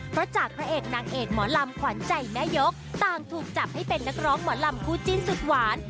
เพราะจากพระเอกนางเอกหมอลำขวัญใจแม่ยกต่างถูกจับให้เป็นนักร้องหมอลำคู่จิ้นสุดหวาน